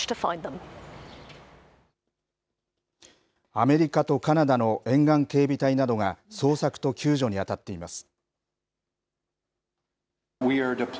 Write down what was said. アメリカとカナダの沿岸警備隊などが、捜索と救助に当たっています。